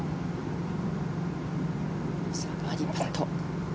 さあ、バーディーパット。